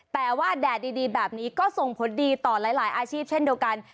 แต่ว่าแดดดีแบบนี้ก็ส่งผลดีต่อหลายอาชีพเช่นเดียวกัน